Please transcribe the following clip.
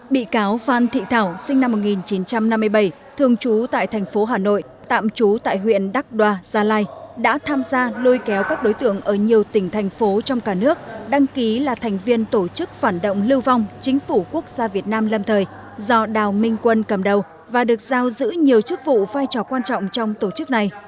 bị cáo phan thị thảo sinh năm một nghìn chín trăm năm mươi bảy thường trú tại thành phố hà nội tạm trú tại huyện đắc đoa gia lai đã tham gia lôi kéo các đối tượng ở nhiều tỉnh thành phố trong cả nước đăng ký là thành viên tổ chức phản động lưu vong chính phủ quốc gia việt nam lâm thời do đào minh quân cầm đầu và được giao giữ nhiều chức vụ vai trò quan trọng trong tổ chức này